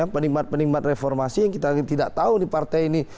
penikmat penikmat reformasi yang kita tidak tahu di partai ini